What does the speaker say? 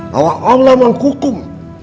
bahwa allah menghukum